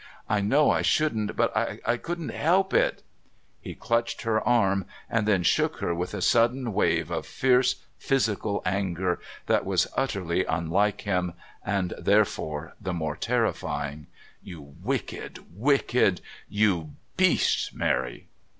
I know I shouldn't, but I couldn't help it " He clutched her arm, and then shook her with a sudden wave of fierce physical anger that was utterly unlike him, and, therefore, the more terrifying. "You wicked, wicked You beast, Mary!"